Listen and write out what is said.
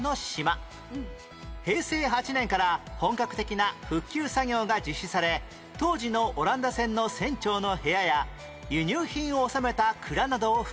平成８年から本格的な復旧作業が実施され当時のオランダ船の船長の部屋や輸入品を収めた蔵などを復元